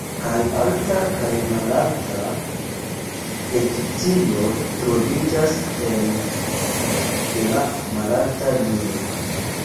Kaj Alta kaj Malalta Egiptio troviĝas ene de la Malalta Nilo.